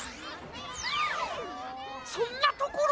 そんなところに。